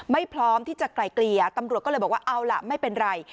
พร้อมที่จะไกลเกลี่ยตำรวจก็เลยบอกว่าเอาล่ะไม่เป็นไร